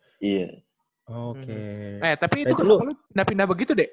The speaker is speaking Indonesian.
eh tapi itu kelas pertama pindah pindah begitu dik